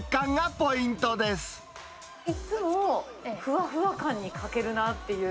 いつも、ふわふわ感に欠けるなっていう。